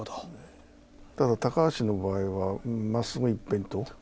ただ、高橋の場合はまっすぐ一辺倒。